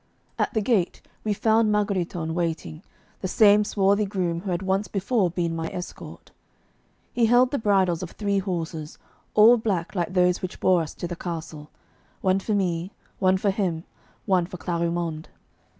At the gate we found Margheritone waiting, the same swarthy groom who had once before been my escort. He held the bridles of three horses, all black like those which bore us to the castle one for me, one for him, one for Clarimonde.